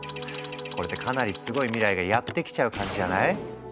これってかなりすごい未来がやって来ちゃう感じじゃない？